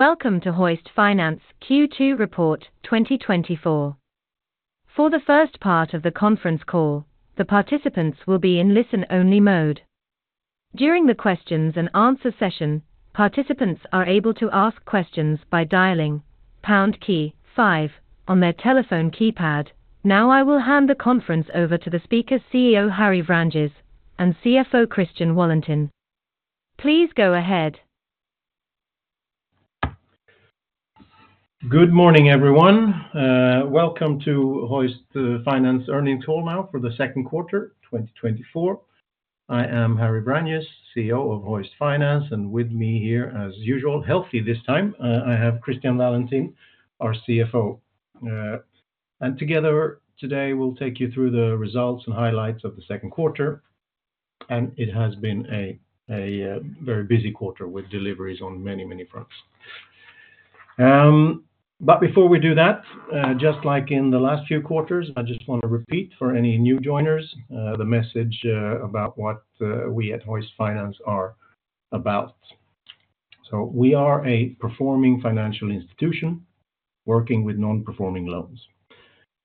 Welcome to Hoist Finance Q2 Report 2024. For the first part of the conference call, the participants will be in listen-only mode. During the Q&A session, participants are able to ask questions by dialing #5 on their telephone keypad. Now I will hand the conference over to the speakers, CEO Harry Vranjes and CFO Christian Wallentin. Please go ahead. Good morning, everyone. Welcome to Hoist Finance Earnings Call now for the second quarter 2024. I am Harry Vranjes, CEO of Hoist Finance, and with me here, as usual, healthy this time, I have Christian Wallentin, our CFO. Together today, we'll take you through the results and highlights of the second quarter. It has been a very busy quarter with deliveries on many, many fronts. But before we do that, just like in the last few quarters, I just want to repeat for any new joiners the message about what we at Hoist Finance are about. So we are a performing financial institution working with non-performing loans.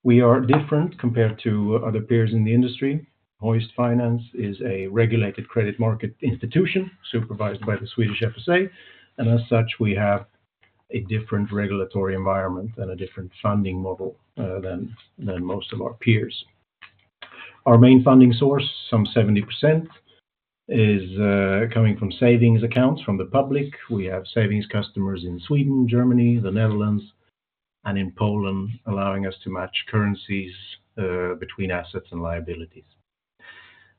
We are different compared to other peers in the industry. Hoist Finance is a regulated credit market institution supervised by the Swedish FSA. As such, we have a different regulatory environment and a different funding model than most of our peers. Our main funding source, some 70%, is coming from savings accounts from the public. We have savings customers in Sweden, Germany, the Netherlands, and in Poland, allowing us to match currencies between assets and liabilities.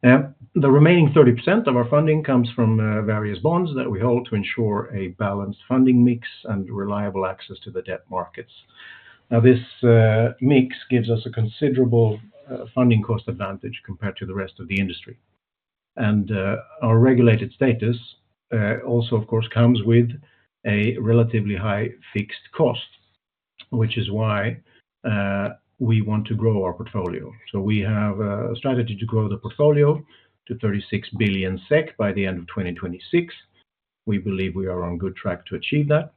The remaining 30% of our funding comes from various bonds that we hold to ensure a balanced funding mix and reliable access to the debt markets. Now, this mix gives us a considerable funding cost advantage compared to the rest of the industry. And our regulated status also, of course, comes with a relatively high fixed cost, which is why we want to grow our portfolio. We have a strategy to grow the portfolio to 36 billion SEK by the end of 2026. We believe we are on good track to achieve that.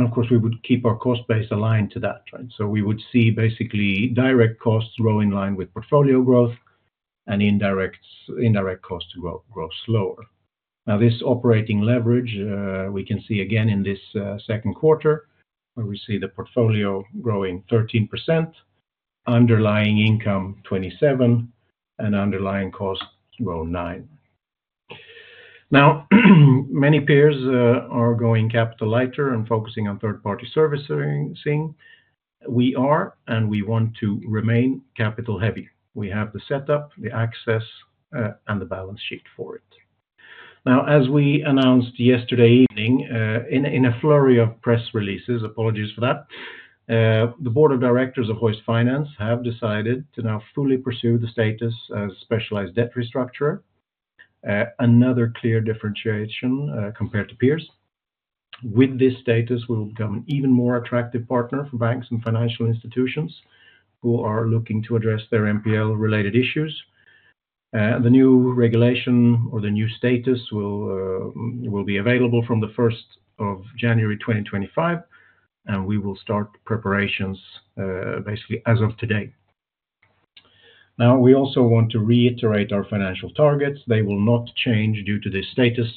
Of course, we would keep our cost base aligned to that. We would see basically direct costs grow in line with portfolio growth and indirect costs grow slower. Now, this operating leverage, we can see again in this second quarter, where we see the portfolio growing 13%, underlying income 27%, and underlying costs grow 9%. Now, many peers are going capital lighter and focusing on third-party servicing. We are, and we want to remain capital heavy. We have the setup, the access, and the balance sheet for it. Now, as we announced yesterday evening in a flurry of press releases, apologies for that, the board of directors of Hoist Finance have decided to now fully pursue the status as Specialised Debt Restructurer. Another clear differentiation compared to peers. With this status, we will become an even more attractive partner for banks and financial institutions who are looking to address their NPL-related issues. The new regulation or the new status will be available from the 1st of January 2025, and we will start preparations basically as of today. Now, we also want to reiterate our financial targets. They will not change due to this status.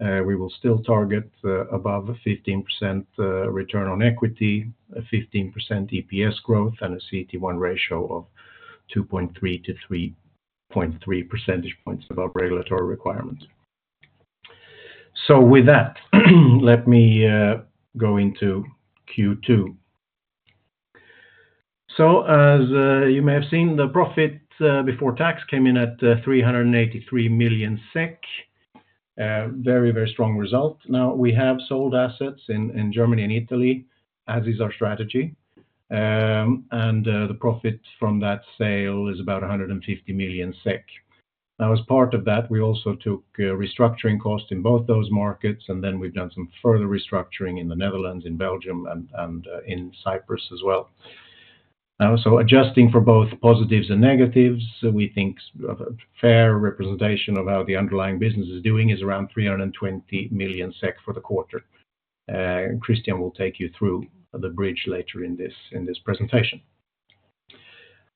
We will still target above 15% return on equity, 15% EPS growth, and a CET1 ratio of 2.3-3.3 percentage points above regulatory requirements. So with that, let me go into Q2. So as you may have seen, the profit before tax came in at 383 million SEK. Very, very strong result. Now, we have sold assets in Germany and Italy, as is our strategy. And the profit from that sale is about 150 million SEK. Now, as part of that, we also took restructuring costs in both those markets, and then we've done some further restructuring in the Netherlands, in Belgium, and in Cyprus as well. So adjusting for both positives and negatives, we think a fair representation of how the underlying business is doing is around 320 million SEK for the quarter. Christian will take you through the bridge later in this presentation.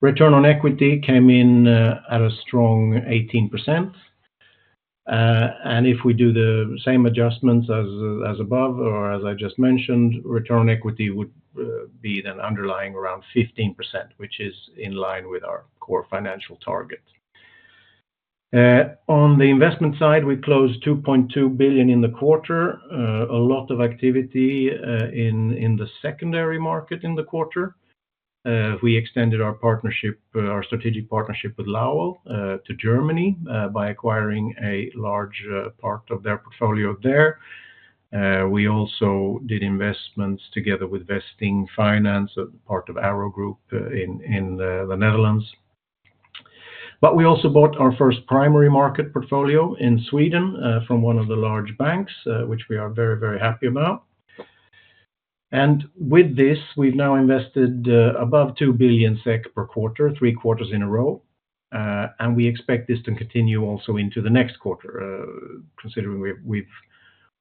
Return on equity came in at a strong 18%. And if we do the same adjustments as above, or as I just mentioned, return on equity would be then underlying around 15%, which is in line with our core financial target. On the investment side, we closed 2.2 billion in the quarter. A lot of activity in the secondary market in the quarter. We extended our strategic partnership with Lowell to Germany by acquiring a large part of their portfolio there. We also did investments together with Vesting Finance, part of Arrow Global in the Netherlands. But we also bought our first primary market portfolio in Sweden from one of the large banks, which we are very, very happy about. And with this, we've now invested above 2 billion SEK per quarter, three quarters in a row. And we expect this to continue also into the next quarter, considering we've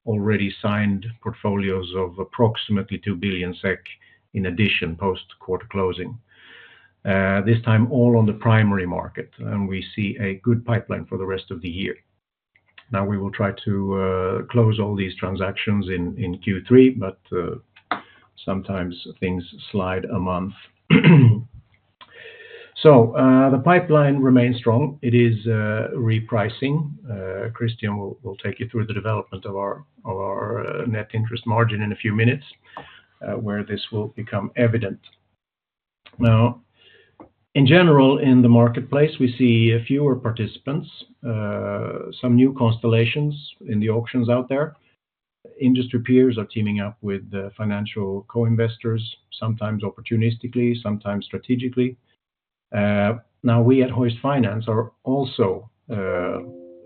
already signed portfolios of approximately 2 billion SEK in addition post-quarter closing. This time, all on the primary market, and we see a good pipeline for the rest of the year. Now, we will try to close all these transactions in Q3, but sometimes things slide a month. So the pipeline remains strong. It is repricing. Christian will take you through the development of our net interest margin in a few minutes, where this will become evident. Now, in general, in the marketplace, we see fewer participants, some new constellations in the auctions out there. Industry peers are teaming up with financial co-investors, sometimes opportunistically, sometimes strategically. Now, we at Hoist Finance are also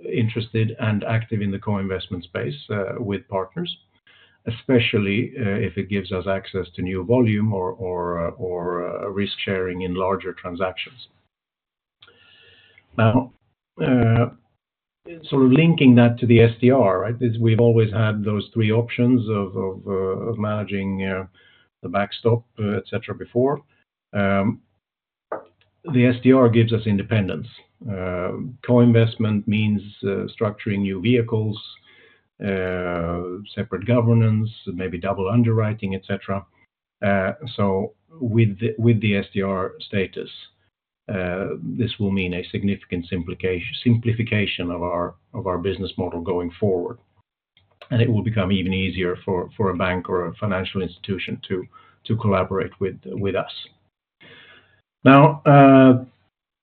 interested and active in the co-investment space with partners, especially if it gives us access to new volume or risk sharing in larger transactions. Now, sort of linking that to the SDR, we've always had those three options of managing the backstop, etc., before. The SDR gives us independence. Co-investment means structuring new vehicles, separate governance, maybe double underwriting, etc. So with the SDR status, this will mean a significant simplification of our business model going forward. It will become even easier for a bank or a financial institution to collaborate with us. Now,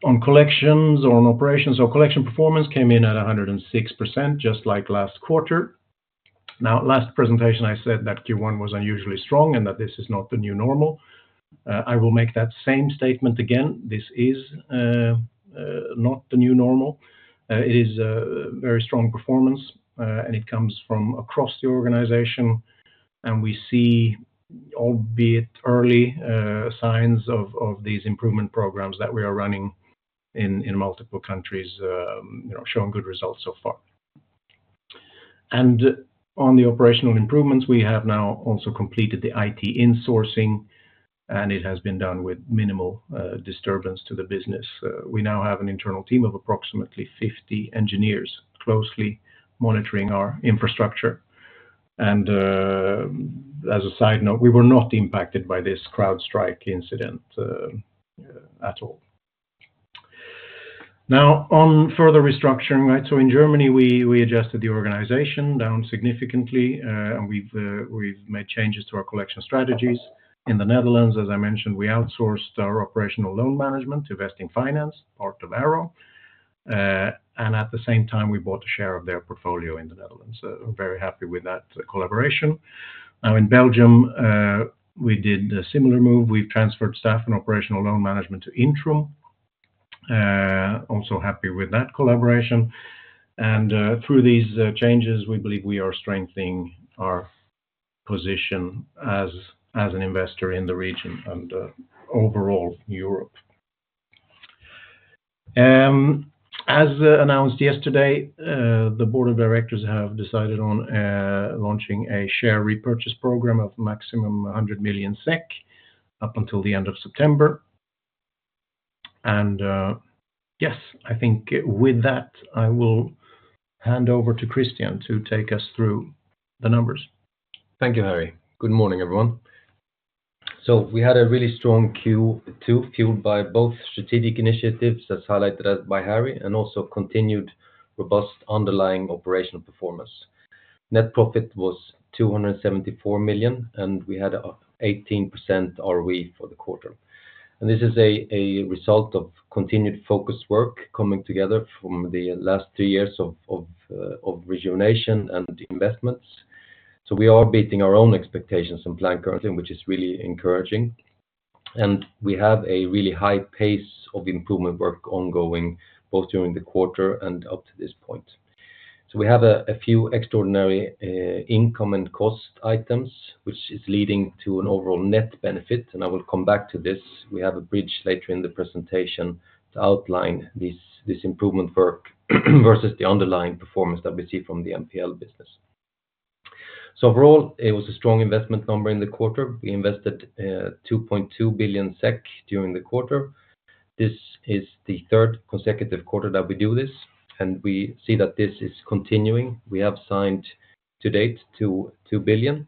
on collections or on operations, so collection performance came in at 106%, just like last quarter. Now, last presentation, I said that Q1 was unusually strong and that this is not the new normal. I will make that same statement again. This is not the new normal. It is a very strong performance, and it comes from across the organization. We see, albeit early, signs of these improvement programs that we are running in multiple countries showing good results so far. On the operational improvements, we have now also completed the IT insourcing, and it has been done with minimal disturbance to the business. We now have an internal team of approximately 50 engineers closely monitoring our infrastructure. As a side note, we were not impacted by this CrowdStrike incident at all. Now, on further restructuring, in Germany, we adjusted the organization down significantly, and we've made changes to our collection strategies. In the Netherlands, as I mentioned, we outsourced our operational loan management to Vesting Finance, part of Arrow. At the same time, we bought a share of their portfolio in the Netherlands. So very happy with that collaboration. Now, in Belgium, we did a similar move. We've transferred staff and operational loan management to Intrum. Also happy with that collaboration. Through these changes, we believe we are strengthening our position as an investor in the region and overall Europe. As announced yesterday, the board of directors have decided on launching a share repurchase program of maximum 100 million SEK up until the end of September. Yes, I think with that, I will hand over to Christian to take us through the numbers. Thank you, Harry. Good morning, everyone. So we had a really strong Q2 fueled by both strategic initiatives as highlighted by Harry and also continued robust underlying operational performance. Net profit was 274 million, and we had an 18% ROE for the quarter. And this is a result of continued focused work coming together from the last three years of rejuvenation and investments. So we are beating our own expectations and plan currently, which is really encouraging. And we have a really high pace of improvement work ongoing both during the quarter and up to this point. So we have a few extraordinary income and cost items, which is leading to an overall net benefit. And I will come back to this. We have a bridge later in the presentation to outline this improvement work versus the underlying performance that we see from the NPL business. So overall, it was a strong investment number in the quarter. We invested 2.2 billion SEK during the quarter. This is the third consecutive quarter that we do this. And we see that this is continuing. We have signed to date to 2 billion.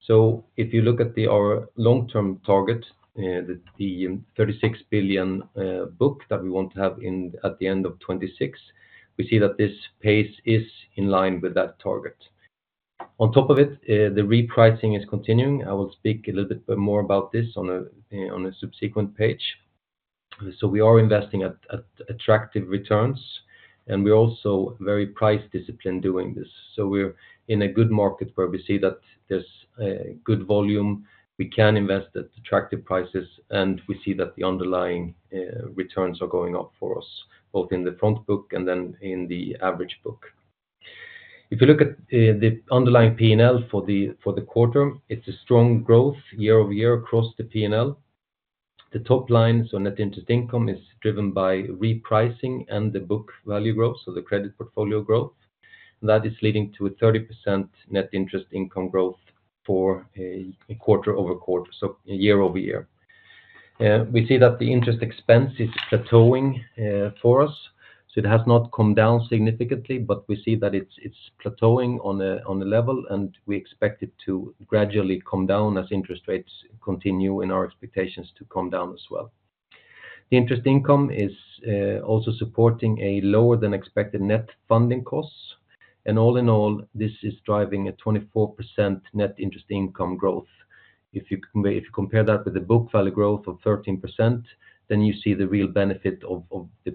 So if you look at our long-term target, the 36 billion book that we want to have at the end of 2026, we see that this pace is in line with that target. On top of it, the repricing is continuing. I will speak a little bit more about this on a subsequent page. So we are investing at attractive returns, and we're also very price disciplined doing this. So we're in a good market where we see that there's good volume. We can invest at attractive prices, and we see that the underlying returns are going up for us, both in the front book and then in the average book. If you look at the underlying P&L for the quarter, it's a strong growth year-over-year across the P&L. The top line, so net interest income, is driven by repricing and the book value growth, so the credit portfolio growth. That is leading to a 30% net interest income growth for a quarter-over-quarter, so year-over-year. We see that the interest expense is plateauing for us. So it has not come down significantly, but we see that it's plateauing on a level, and we expect it to gradually come down as interest rates continue in our expectations to come down as well. The interest income is also supporting a lower than expected net funding costs. All in all, this is driving a 24% net interest income growth. If you compare that with the book value growth of 13%, then you see the real benefit of the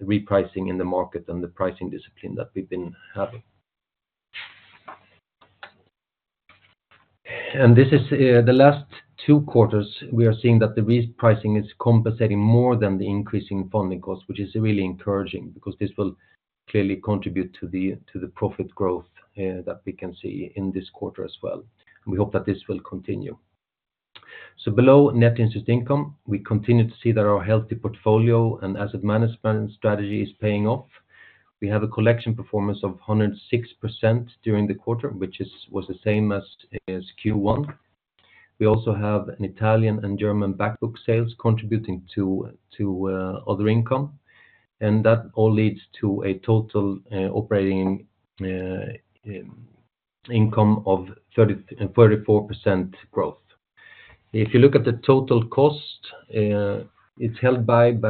repricing in the market and the pricing discipline that we've been having. This is the last two quarters. We are seeing that the repricing is compensating more than the increase in funding costs, which is really encouraging because this will clearly contribute to the profit growth that we can see in this quarter as well. We hope that this will continue. Below net interest income, we continue to see that our healthy portfolio and asset management strategy is paying off. We have a collection performance of 106% during the quarter, which was the same as Q1. We also have an Italian and German backbook sales contributing to other income. That all leads to a total operating income of 34% growth. If you look at the total cost, it's held back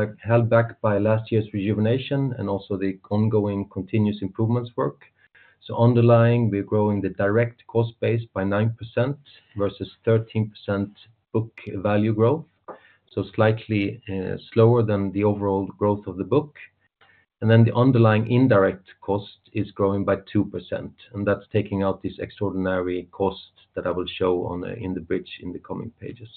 by last year's rejuvenation and also the ongoing continuous improvements work. Underlying, we're growing the direct cost base by 9% versus 13% book value growth, so slightly slower than the overall growth of the book. Then the underlying indirect cost is growing by 2%. That's taking out this extraordinary cost that I will show in the bridge in the coming pages.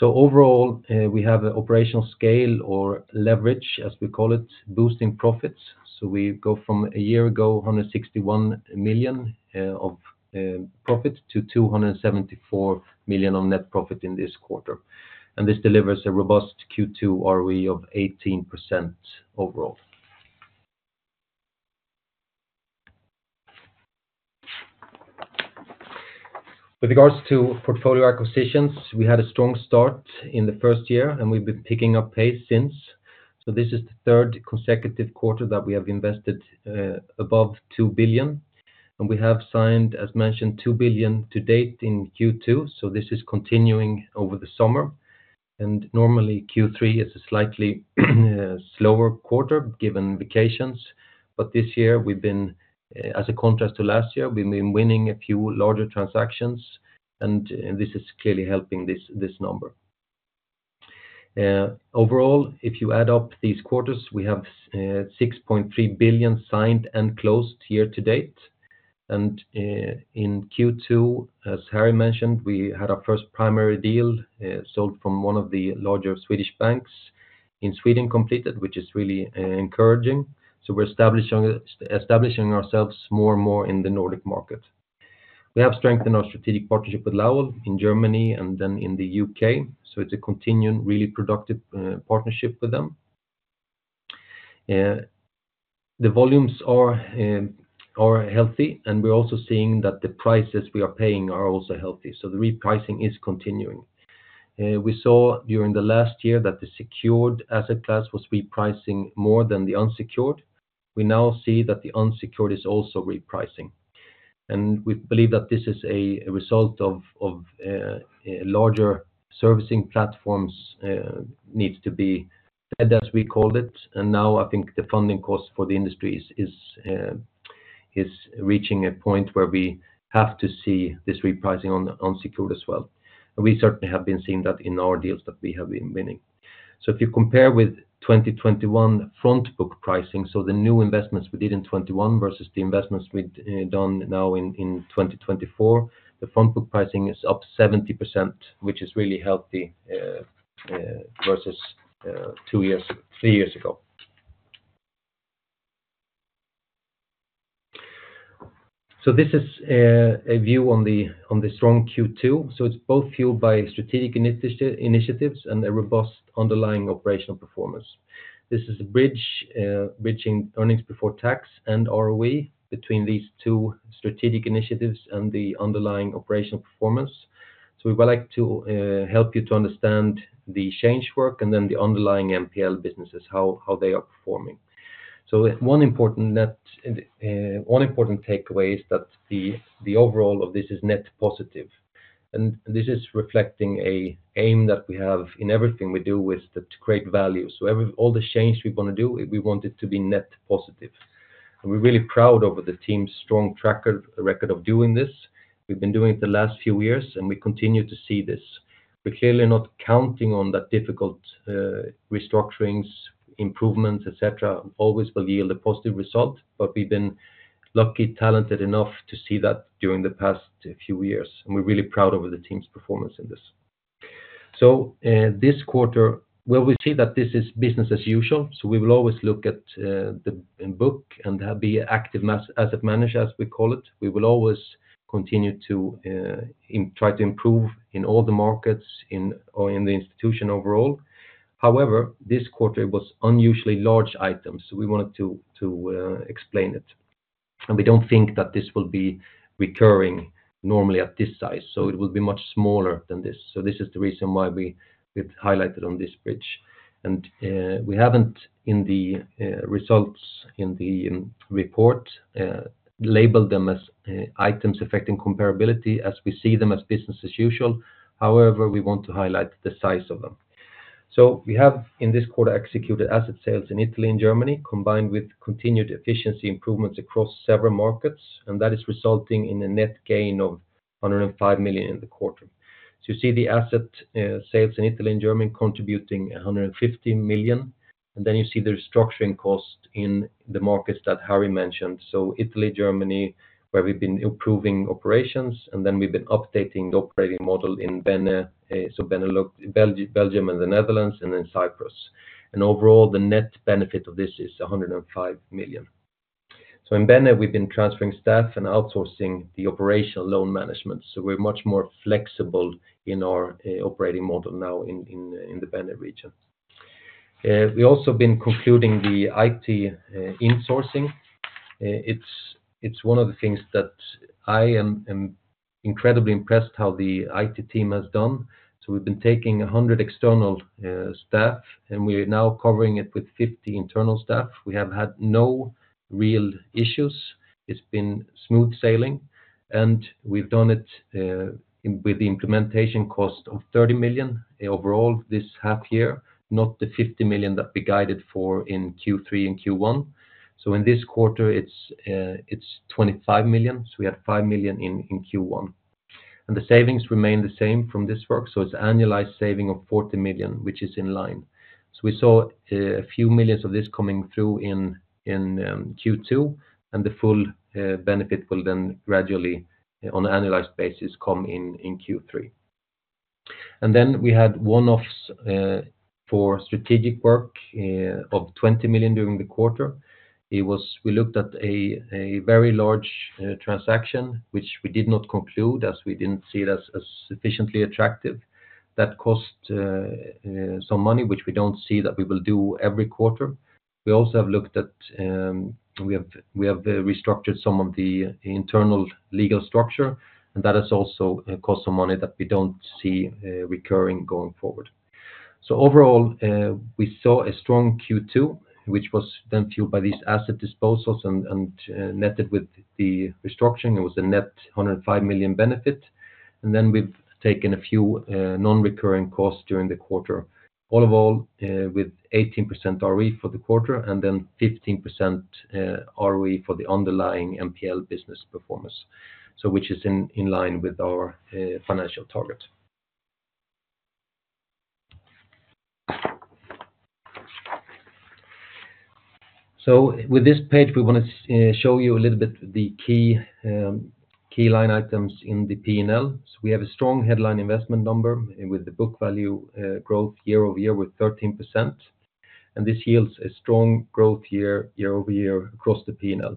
Overall, we have an operational scale or leverage, as we call it, boosting profits. We go from a year ago, 161 million of profit to 274 million of net profit in this quarter. This delivers a robust Q2 ROE of 18% overall. With regards to portfolio acquisitions, we had a strong start in the first year, and we've been picking up pace since. This is the third consecutive quarter that we have invested above 2 billion. We have signed, as mentioned, 2 billion to date in Q2. This is continuing over the summer. Normally, Q3 is a slightly slower quarter given vacations. But this year, as a contrast to last year, we've been winning a few larger transactions. This is clearly helping this number. Overall, if you add up these quarters, we have 6.3 billion signed and closed year to date. In Q2, as Harry mentioned, we had our first primary deal sold from one of the larger Swedish banks in Sweden completed, which is really encouraging. We're establishing ourselves more and more in the Nordic market. We have strengthened our strategic partnership with Lowell in Germany and then in the UK. It's a continuing, really productive partnership with them. The volumes are healthy, and we're also seeing that the prices we are paying are also healthy. The repricing is continuing. We saw during the last year that the secured asset class was repricing more than the unsecured. We now see that the unsecured is also repricing. We believe that this is a result of larger servicing platforms needing to be fed, as we call it. Now, I think the funding cost for the industry is reaching a point where we have to see this repricing on secured as well. We certainly have been seeing that in our deals that we have been winning. So if you compare with 2021 front book pricing, so the new investments we did in 2021 versus the investments we've done now in 2024, the front book pricing is up 70%, which is really healthy versus three years ago. So this is a view on the strong Q2. So it's both fueled by strategic initiatives and a robust underlying operational performance. This is a bridge bridging earnings before tax and ROE between these two strategic initiatives and the underlying operational performance. So we would like to help you to understand the change work and then the underlying NPL businesses, how they are performing. So one important takeaway is that the overall of this is net positive. And this is reflecting an aim that we have in everything we do with to create value. So all the change we want to do, we want it to be net positive. We're really proud of the team's strong track record of doing this. We've been doing it the last few years, and we continue to see this. We're clearly not counting on that difficult restructurings, improvements, etc., always will yield a positive result, but we've been lucky, talented enough to see that during the past few years. And we're really proud of the team's performance in this. So this quarter, well, we see that this is business as usual. So we will always look at the book and be active asset managers, as we call it. We will always continue to try to improve in all the markets or in the institution overall. However, this quarter was unusually large items. So we wanted to explain it. And we don't think that this will be recurring normally at this size. So it will be much smaller than this. This is the reason why we highlighted on this bridge. We haven't in the results in the report labeled them as items affecting comparability as we see them as business as usual. However, we want to highlight the size of them. We have in this quarter executed asset sales in Italy and Germany combined with continued efficiency improvements across several markets. That is resulting in a net gain of 105 million in the quarter. You see the asset sales in Italy and Germany contributing 150 million. Then you see the restructuring cost in the markets that Harry mentioned. Italy, Germany, where we've been improving operations. We've been updating the operating model in Benelux, Belgium, and the Netherlands, and then Cyprus. Overall, the net benefit of this is 105 million. So in Benelux, we've been transferring staff and outsourcing the operational loan management. So we're much more flexible in our operating model now in the Benelux region. We've also been concluding the IT insourcing. It's one of the things that I am incredibly impressed how the IT team has done. So we've been taking 100 external staff, and we're now covering it with 50 internal staff. We have had no real issues. It's been smooth sailing. And we've done it with the implementation cost of 30 million overall this half year, not the 50 million that we guided for in Q3 and Q1. So in this quarter, it's 25 million. So we had 5 million in Q1. And the savings remain the same from this work. So it's annualized saving of 40 million, which is in line. So we saw a few million of this coming through in Q2. The full benefit will then gradually on an annualized basis come in Q3. And then we had one-offs for strategic work of 20 million during the quarter. We looked at a very large transaction, which we did not conclude as we didn't see it as sufficiently attractive. That cost some money, which we don't see that we will do every quarter. We also have looked at we have restructured some of the internal legal structure. And that has also cost some money that we don't see recurring going forward. So overall, we saw a strong Q2, which was then fueled by these asset disposals and netted with the restructuring. It was a net 105 million benefit. And then we've taken a few non-recurring costs during the quarter. All in all, with 18% ROE for the quarter and then 15% ROE for the underlying NPL business performance, which is in line with our financial target. So with this page, we want to show you a little bit of the key line items in the P&L. So we have a strong headline investment number with the book value growth year-over-year with 13%. This yields a strong growth year-over-year across the P&L.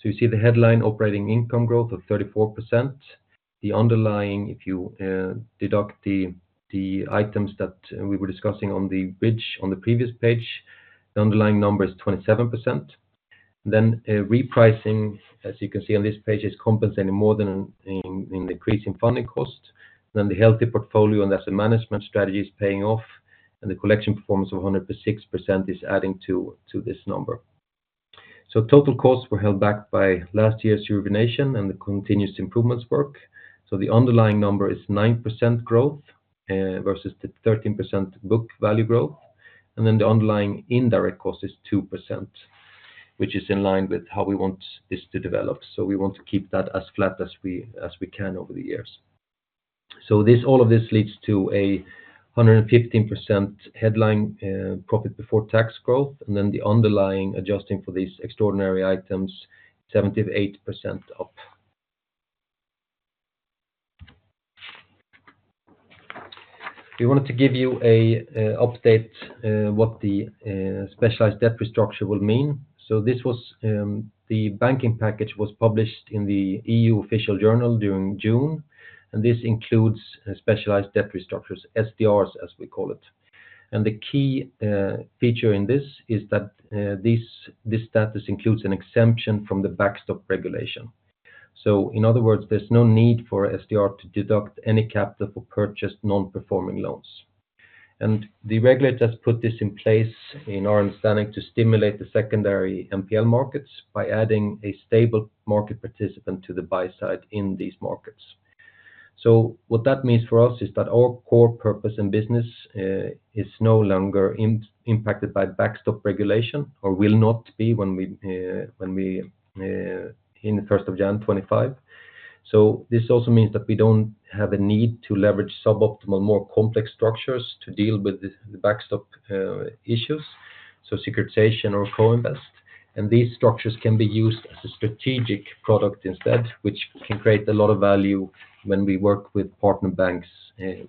So you see the headline operating income growth of 34%. The underlying, if you deduct the items that we were discussing on the bridge on the previous page, the underlying number is 27%. Then repricing, as you can see on this page, is compensating more than in the increase in funding cost. Then the healthy portfolio and asset management strategy is paying off. The collection performance of 106% is adding to this number. Total costs were held back by last year's rejuvenation and the continuous improvements work. The underlying number is 9% growth versus the 13% book value growth. The underlying indirect cost is 2%, which is in line with how we want this to develop. We want to keep that as flat as we can over the years. All of this leads to a 115% headline profit before tax growth. The underlying, adjusting for these extraordinary items, is 78% up. We wanted to give you an update on what the Specialised Debt Restructurer will mean. The Banking Package was published in the EU Official Journal during June. This includes Specialised Debt Restructurers, SDRs, as we call it. The key feature in this is that this status includes an exemption from the Backstop Regulation. In other words, there's no need for SDR to deduct any capital for purchased non-performing loans. The regulator has put this in place, in our understanding, to stimulate the secondary NPL markets by adding a stable market participant to the buy side in these markets. What that means for us is that our core purpose and business is no longer impacted by Backstop Regulation or will not be when we in 1st of January 2025. This also means that we don't have a need to leverage suboptimal, more complex structures to deal with the backstop issues. Securitization or co-invest. These structures can be used as a strategic product instead, which can create a lot of value when we work with partner banks,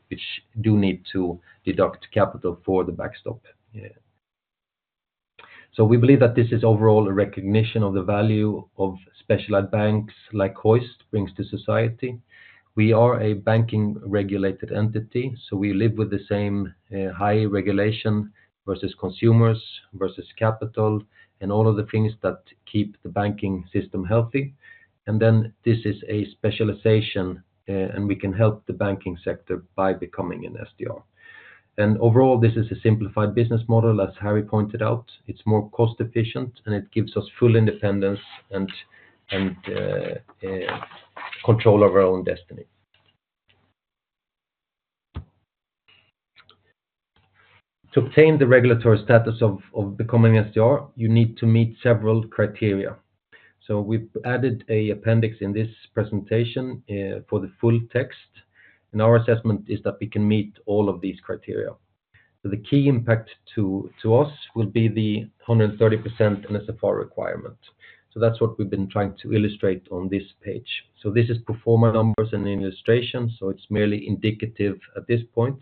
which do need to deduct capital for the backstop. We believe that this is overall a recognition of the value of specialized banks like Hoist brings to society. We are a banking-regulated entity. We live with the same high regulation versus consumers versus capital and all of the things that keep the banking system healthy. This is a specialization, and we can help the banking sector by becoming an SDR. Overall, this is a simplified business model, as Harry pointed out. It's more cost-efficient, and it gives us full independence and control of our own destiny. To obtain the regulatory status of becoming an SDR, you need to meet several criteria. So we've added an appendix in this presentation for the full text. And our assessment is that we can meet all of these criteria. So the key impact to us will be the 130% NSFR requirement. So that's what we've been trying to illustrate on this page. So this is pro forma numbers and illustration. So it's merely indicative at this point.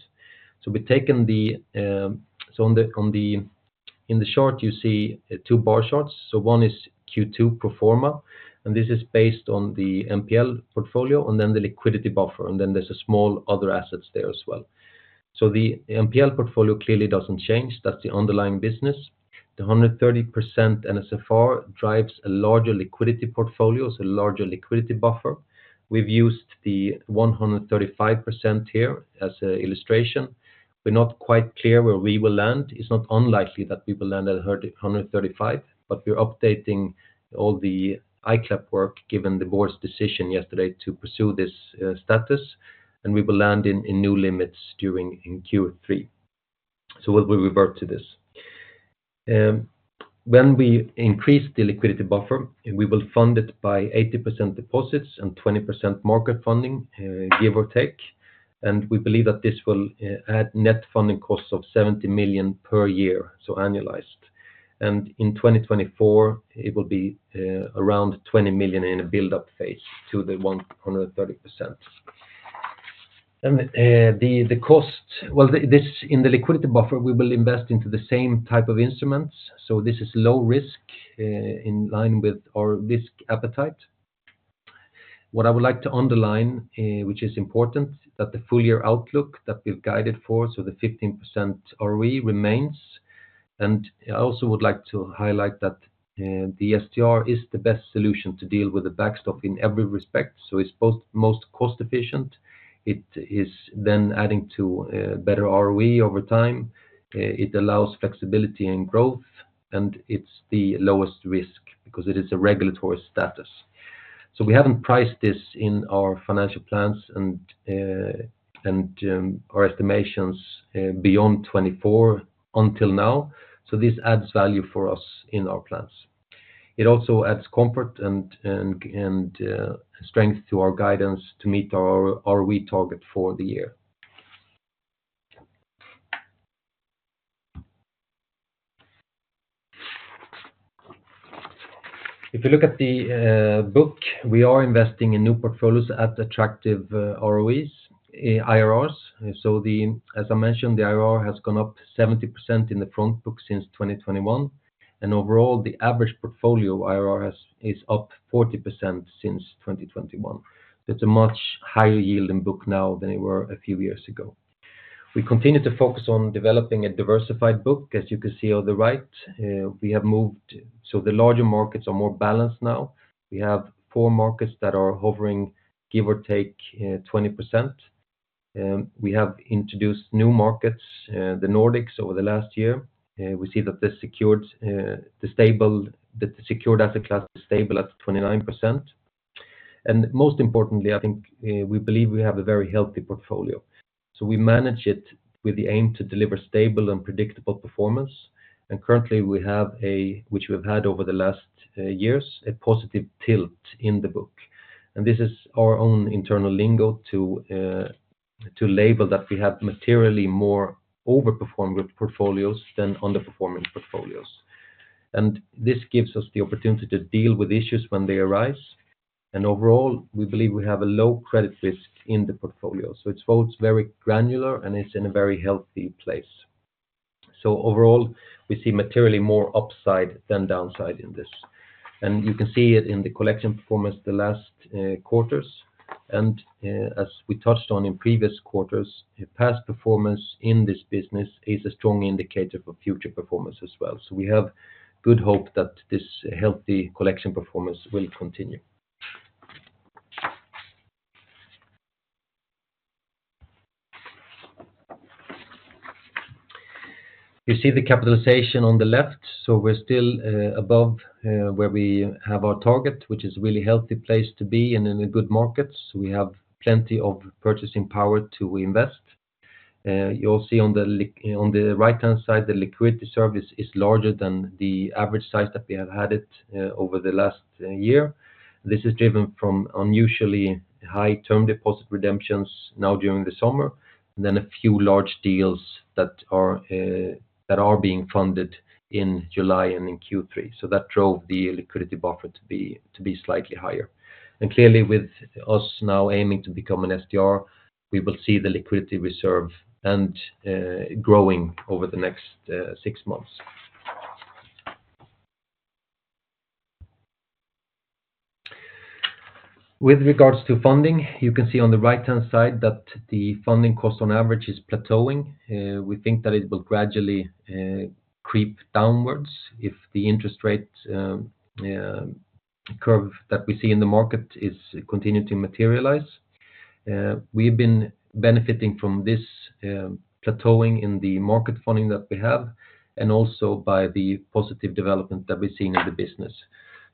So, in the short, you see two bar charts. So one is Q2 pro forma. And this is based on the NPL portfolio and then the liquidity buffer. And then there's a small other assets there as well. So the NPL portfolio clearly doesn't change. That's the underlying business. The 130% NSFR drives a larger liquidity portfolio. It's a larger liquidity buffer. We've used the 135% here as an illustration. We're not quite clear where we will land. It's not unlikely that we will land at 135, but we're updating all the ICLAAP work given the board's decision yesterday to pursue this status. We will land in new limits during Q3. So we'll revert to this. When we increase the liquidity buffer, we will fund it by 80% deposits and 20% market funding, give or take. We believe that this will add net funding costs of 70 million per year, so annualized. In 2024, it will be around 20 million in a build-up phase to the 130%. The cost, well, this in the liquidity buffer, we will invest into the same type of instruments. So this is low risk in line with our risk appetite. What I would like to underline, which is important, that the full year outlook that we've guided for, so the 15% ROE remains. I also would like to highlight that the SDR is the best solution to deal with the backstop in every respect. So it's most cost-efficient. It is then adding to better ROE over time. It allows flexibility and growth. And it's the lowest risk because it is a regulatory status. So we haven't priced this in our financial plans and our estimations beyond 2024 until now. So this adds value for us in our plans. It also adds comfort and strength to our guidance to meet our ROE target for the year. If you look at the book, we are investing in new portfolios at attractive ROEs, IRRs. So as I mentioned, the IRR has gone up 70% in the front book since 2021. And overall, the average portfolio IRR is up 40% since 2021. It's a much higher yielding book now than it were a few years ago. We continue to focus on developing a diversified book, as you can see on the right. We have moved. So the larger markets are more balanced now. We have four markets that are hovering, give or take, 20%. We have introduced new markets, the Nordics, over the last year. We see that the stable asset class is stable at 29%. And most importantly, I think we believe we have a very healthy portfolio. So we manage it with the aim to deliver stable and predictable performance. And currently, we have a, which we've had over the last years, a positive tilt in the book. And this is our own internal lingo to label that we have materially more overperforming portfolios than underperforming portfolios. And this gives us the opportunity to deal with issues when they arise. And overall, we believe we have a low credit risk in the portfolio. So it's both very granular, and it's in a very healthy place. So overall, we see materially more upside than downside in this. And you can see it in the collection performance the last quarters. And as we touched on in previous quarters, past performance in this business is a strong indicator for future performance as well. So we have good hope that this healthy collection performance will continue. You see the capitalization on the left. So we're still above where we have our target, which is a really healthy place to be and in a good market. So we have plenty of purchasing power to invest. You'll see on the right-hand side, the liquidity reserve is larger than the average size that we have had it over the last year. This is driven from unusually high term deposit redemptions now during the summer, and then a few large deals that are being funded in July and in Q3. So that drove the liquidity buffer to be slightly higher. And clearly, with us now aiming to become an SDR, we will see the liquidity reserve and growing over the next six months. With regards to funding, you can see on the right-hand side that the funding cost on average is plateauing. We think that it will gradually creep downwards if the interest rate curve that we see in the market is continuing to materialize. We've been benefiting from this plateauing in the market funding that we have and also by the positive development that we've seen in the business.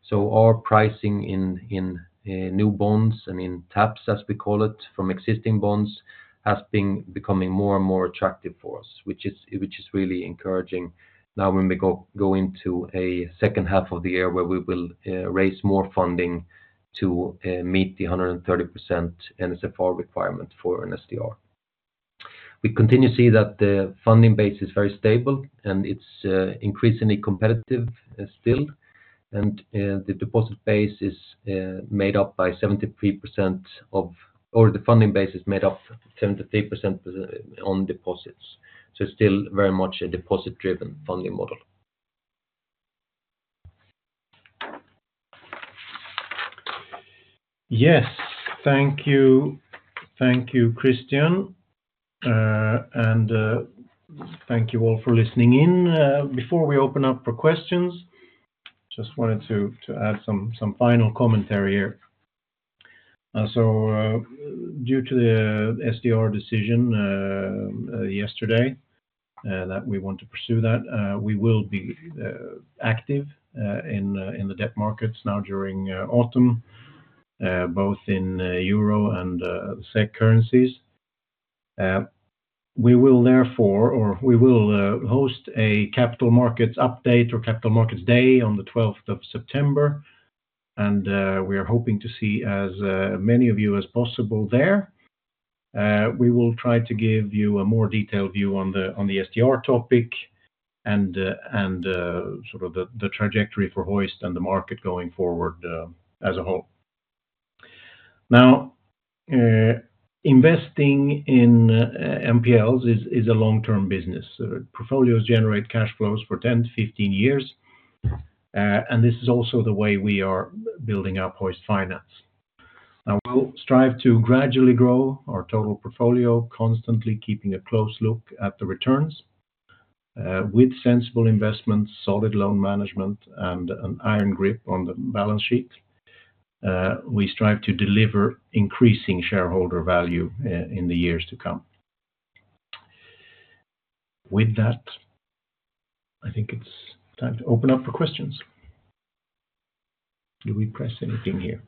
So our pricing in new bonds and in taps, as we call it, from existing bonds has been becoming more and more attractive for us, which is really encouraging now when we go into a second half of the year where we will raise more funding to meet the 130% NSFR requirement for an SDR. We continue to see that the funding base is very stable, and it's increasingly competitive still. And the deposit base is made up by 73% of, or the funding base is made up 73% on deposits. So it's still very much a deposit-driven funding model. Yes. Thank you. Thank you, Christian. And thank you all for listening in. Before we open up for questions, just wanted to add some final commentary here. So due to the SDR decision yesterday that we want to pursue that, we will be active in the debt markets now during autumn, both in EUR and SEK currencies. We will therefore, or we will host a Capital Markets Update or Capital Markets Day on the 12th of September. And we are hoping to see as many of you as possible there. We will try to give you a more detailed view on the SDR topic and sort of the trajectory for Hoist and the market going forward as a whole. Now, investing in NPLs is a long-term business. Portfolios generate cash flows for 10-15 years. And this is also the way we are building up Hoist Finance. Now, we'll strive to gradually grow our total portfolio, constantly keeping a close look at the returns with sensible investments, solid loan management, and an iron grip on the balance sheet. We strive to deliver increasing shareholder value in the years to come. With that, I think it's time to open up for questions. Do we press anything here?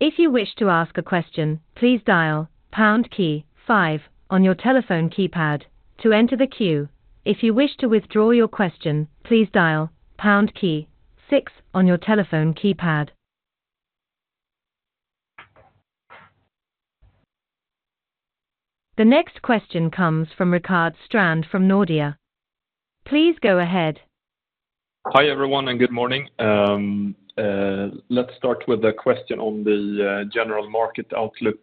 If you wish to ask a question, please dial pound key five on your telephone keypad to enter the queue. If you wish to withdraw your question, please dial pound key six on your telephone keypad. The next question comes from Rickard Strand from Nordea. Please go ahead. Hi everyone and good morning. Let's start with a question on the general market outlook.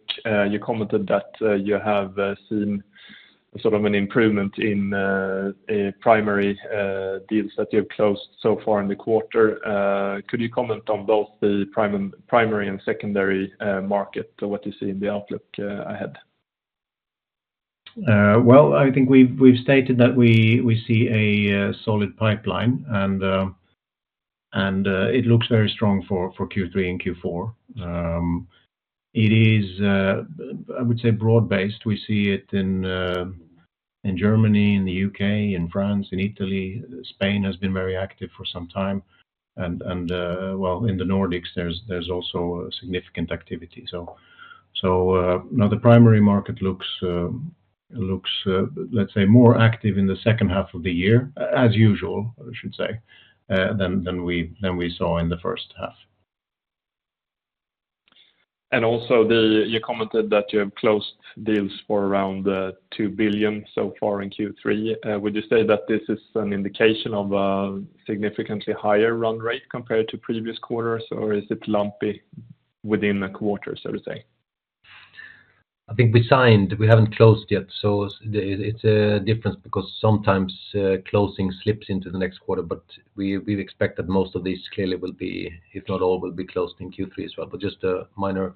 You commented that you have seen sort of an improvement in primary deals that you've closed so far in the quarter. Could you comment on both the primary and secondary market, what you see in the outlook ahead? Well, I think we've stated that we see a solid pipeline, and it looks very strong for Q3 and Q4. It is, I would say, broad-based. We see it in Germany, in the U.K., in France, in Italy. Spain has been very active for some time. And well, in the Nordics, there's also significant activity. So now the primary market looks, let's say, more active in the second half of the year, as usual, I should say, than we saw in the first half. And also, you commented that you have closed deals for around 2 billion so far in Q3. Would you say that this is an indication of a significantly higher run rate compared to previous quarters, or is it lumpy within a quarter, so to say? I think we signed. We haven't closed yet. So it's a difference because sometimes closing slips into the next quarter, but we expect that most of these clearly will be, if not all, will be closed in Q3 as well. But just a minor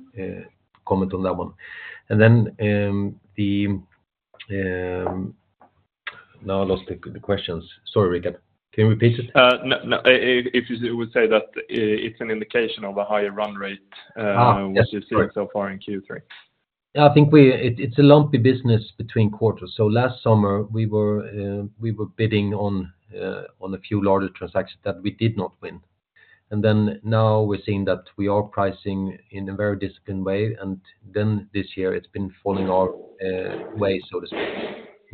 comment on that one. And then the now I lost the questions. Sorry, Rickard. Can you repeat just? If you would say that it's an indication of a higher run rate what you're seeing so far in Q3. I think it's a lumpy business between quarters. So last summer, we were bidding on a few larger transactions that we did not win. And then now we're seeing that we are pricing in a very disciplined way. And then this year, it's been falling our way, so to speak.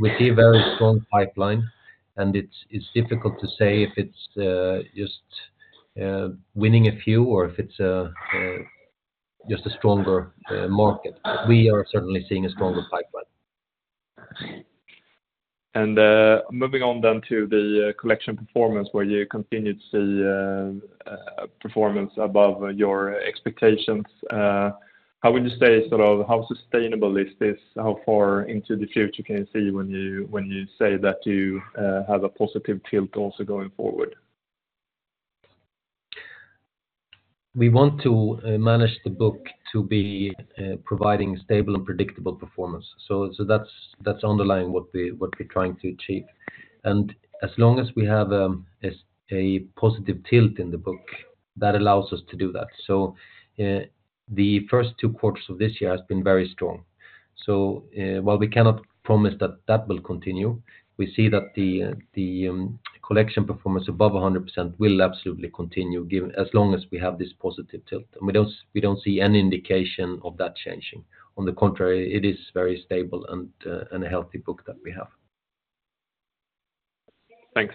We see a very strong pipeline, and it's difficult to say if it's just winning a few or if it's just a stronger market. We are certainly seeing a stronger pipeline. Moving on then to the collection performance, where you continue to see performance above your expectations. How would you say sort of how sustainable is this? How far into the future can you see when you say that you have a positive tilt also going forward? We want to manage the book to be providing stable and predictable performance. So that's underlying what we're trying to achieve. And as long as we have a positive tilt in the book, that allows us to do that. So the first two quarters of this year has been very strong. So while we cannot promise that that will continue, we see that the collection performance above 100% will absolutely continue as long as we have this positive tilt. And we don't see any indication of that changing. On the contrary, it is very stable and a healthy book that we have. Thanks.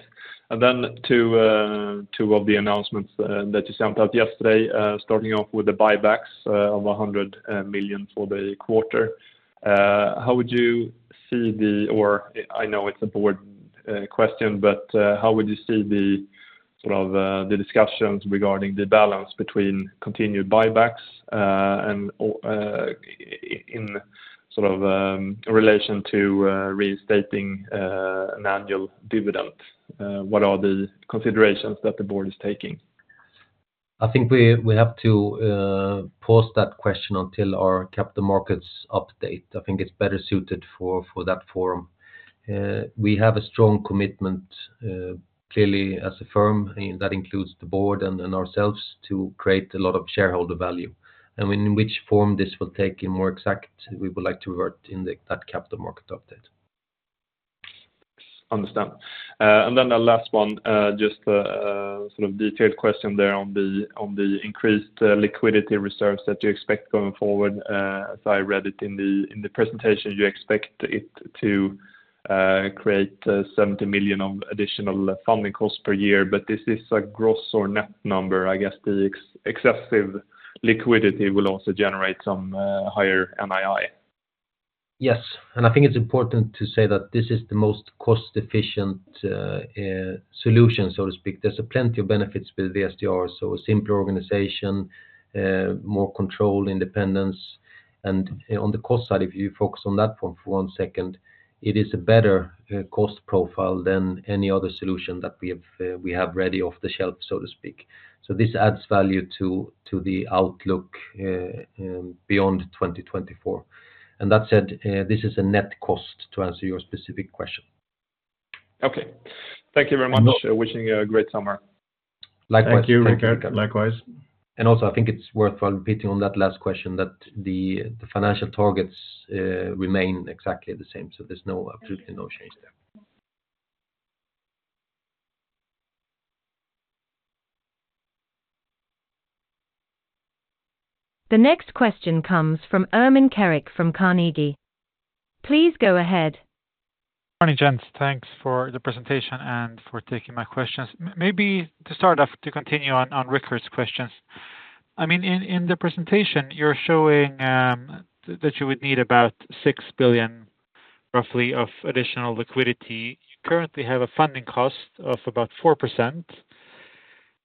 And then to all the announcements that you sent out yesterday, starting off with the buybacks of 100 million for the quarter. How would you see the, or I know it's a board question, but how would you see the sort of discussions regarding the balance between continued buybacks and in sort of relation to reinstating an annual dividend? What are the considerations that the board is taking? I think we have to pause that question until our capital markets update. I think it's better suited for that forum. We have a strong commitment, clearly, as a firm that includes the board and ourselves to create a lot of shareholder value. And in which form this will take in more exact, we would like to revert in that capital market update. Understand. And then the last one, just a sort of detailed question there on the increased liquidity reserves that you expect going forward. As I read it in the presentation, you expect it to create 70 million of additional funding costs per year, but this is a gross or net number. I guess the excessive liquidity will also generate some higher NII. Yes. And I think it's important to say that this is the most cost-efficient solution, so to speak. There's plenty of benefits with the SDR, so a simpler organization, more control, independence. On the cost side, if you focus on that one second, it is a better cost profile than any other solution that we have ready off the shelf, so to speak. So this adds value to the outlook beyond 2024. And that said, this is a net cost to answer your specific question. Okay. Thank you very much. Wishing you a great summer. Likewise. Thank you, Rickard. Likewise. And also, I think it's worthwhile repeating on that last question that the financial targets remain exactly the same. So there's absolutely no change there. The next question comes from Ermin Keric from Carnegie. Please go ahead. Morning, gents. Thanks for the presentation and for taking my questions. Maybe to start off, to continue on Rickard's questions. I mean, in the presentation, you're showing that you would need about 6 billion, roughly, of additional liquidity. You currently have a funding cost of about 4%.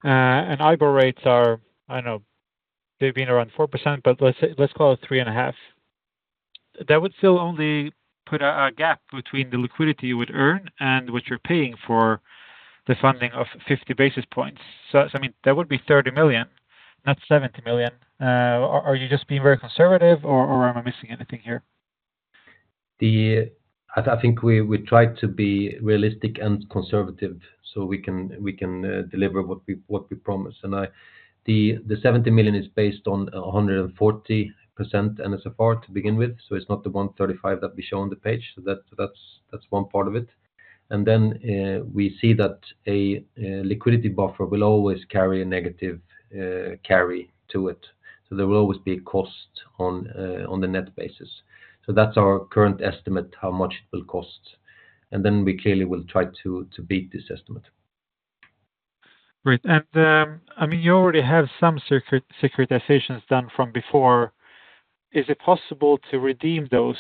And IBOR rates are, I don't know, they've been around 4%, but let's call it 3.5. That would still only put a gap between the liquidity you would earn and what you're paying for the funding of 50 basis points. So I mean, that would be 30 million, not 70 million. Are you just being very conservative, or am I missing anything here? I think we try to be realistic and conservative so we can deliver what we promise. And the 70 million is based on 140% NSFR to begin with. So it's not the 135% that we show on the page. So that's one part of it. And then we see that a liquidity buffer will always carry a negative carry to it. So there will always be a cost on the net basis. So that's our current estimate, how much it will cost. And then we clearly will try to beat this estimate. Great. And I mean, you already have some securitizations done from before. Is it possible to redeem those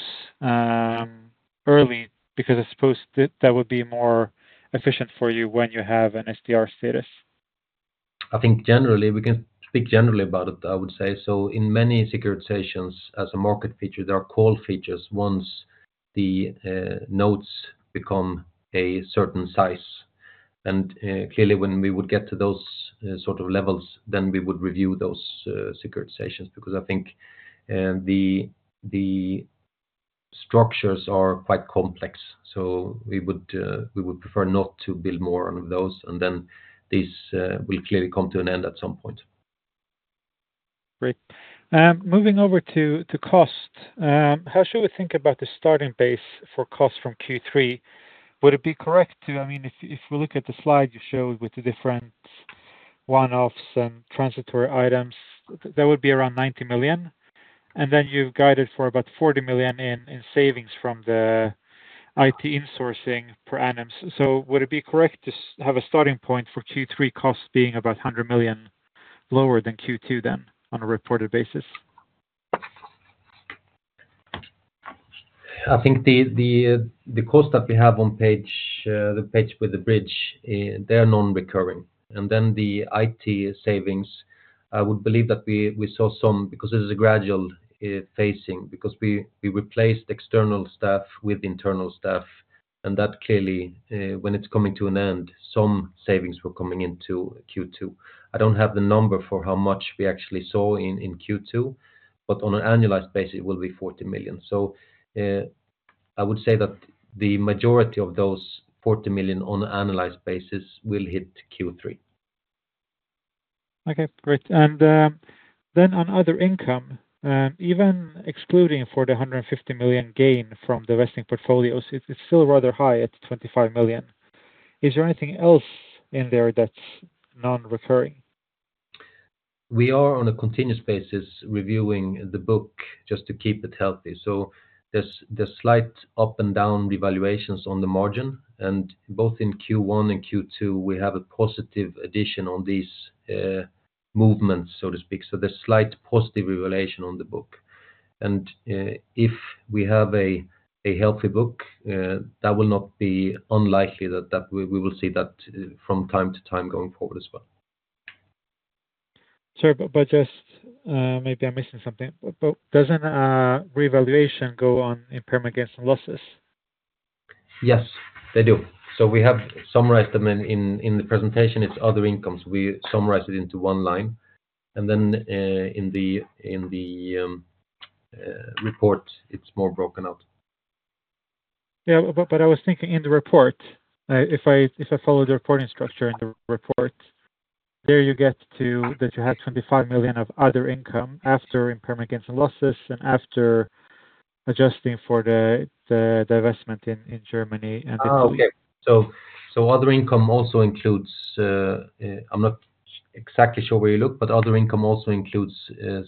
early? Because I suppose that would be more efficient for you when you have an SDR status. I think generally, we can speak generally about it, I would say. So in many securitizations, as a market feature, there are call features once the notes become a certain size. And clearly, when we would get to those sort of levels, then we would review those securitizations because I think the structures are quite complex. So we would prefer not to build more on those. And then this will clearly come to an end at some point. Great. Moving over to cost, how should we think about the starting base for cost from Q3? Would it be correct to, I mean, if we look at the slide you showed with the different one-offs and transitory items, that would be around 90 million. And then you've guided for about 40 million in savings from the IT insourcing per annum. So would it be correct to have a starting point for Q3 costs being about 100 million lower than Q2 then on a reported basis? I think the cost that we have on page, the page with the bridge, they're non-recurring. And then the IT savings, I would believe that we saw some because this is a gradual phasing because we replaced external staff with internal staff. And that clearly, when it's coming to an end, some savings were coming into Q2. I don't have the number for how much we actually saw in Q2, but on an annualized basis, it will be 40 million. So I would say that the majority of those 40 million on an annualized basis will hit Q3. Okay. Great. And then on other income, even excluding for the 150 million gain from the Vesting portfolios, it's still rather high at 25 million. Is there anything else in there that's non-recurring? We are on a continuous basis reviewing the book just to keep it healthy. So there's slight up and down revaluations on the margin. And both in Q1 and Q2, we have a positive addition on these movements, so to speak. So there's slight positive revaluation on the book. And if we have a healthy book, that will not be unlikely that we will see that from time to time going forward as well. Sorry, but just maybe I'm missing something. But doesn't revaluation go on impairment gains and losses? Yes, they do. So we have summarized them in the presentation. It's other incomes. We summarize it into one line. And then in the report, it's more broken out. Yeah, but I was thinking in the report, if I follow the reporting structure in the report, there you get to that you have 25 million of other income after impairment gains and losses and after adjusting for the divestment in Germany and Italy. Okay. So other income also includes I'm not exactly sure where you look, but other income also includes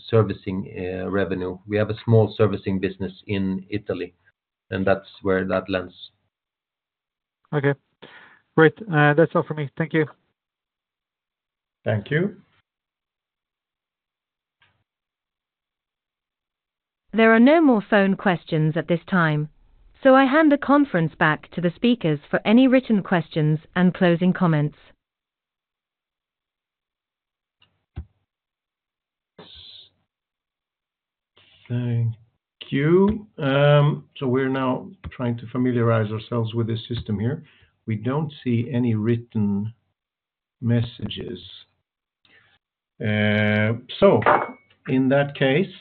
servicing revenue. We have a small servicing business in Italy, and that's where that lands. Okay. Great. That's all for me. Thank you. Thank you. There are no more phone questions at this time. So I hand the conference back to the speakers for any written questions and closing comments. Thank you. So we're now trying to familiarize ourselves with this system here. We don't see any written messages. So in that case,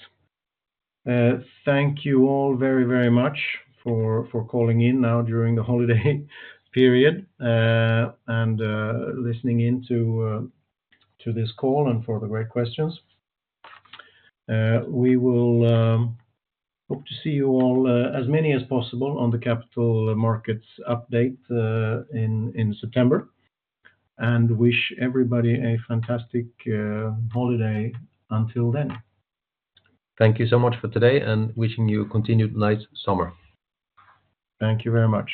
thank you all very, very much for calling in now during the holiday period and listening in to this call and for the great questions. We will hope to see you all as many as possible on the capital markets update in September and wish everybody a fantastic holiday until then. Thank you so much for today and wishing you a continued nice summer. Thank you very much.